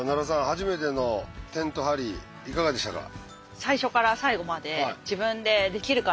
初めてのテント張りいかがでしたか？